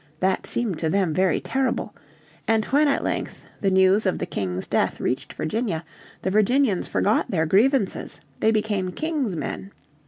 That seemed to them very terrible. And when at length the news of the King's death reached Virginia the Virginians forgot their grievances, they became King's men.